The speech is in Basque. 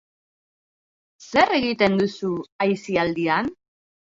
Zer egiten duzu aisialdian?